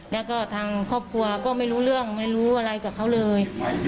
แล้วก็ทางครอบครัวก็ไม่รู้เรื่องไม่รู้อะไรกับเขาเลย